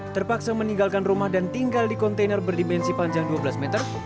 terpaksa meninggalkan rumah dan tinggal di kontainer berdimensi panjang dua belas meter